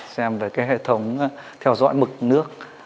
xem cái hệ thống theo dõi mực nước